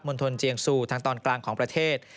ณฑลเจียงซูทางตอนกลางของประเทศ